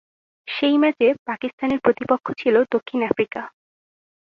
সেই ম্যাচে পাকিস্তানের প্রতিপক্ষ ছিলো দক্ষিণ আফ্রিকা।